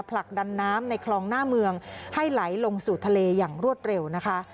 ผลักดันน้ำในคลองหน้าเมืองให้ไหลลงสู่ทะเลอย่างรวดเร็วนะคะ